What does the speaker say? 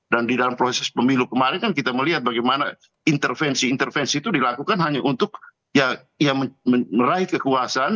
dan di dalam proses pemilu kemarin kan kita melihat bagaimana intervensi intervensi itu dilakukan hanya untuk ya meraih kekuasaan